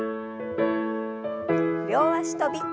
両脚跳び。